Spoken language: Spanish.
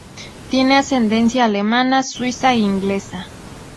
Tiene ascendencia alemana, suiza e inglesa.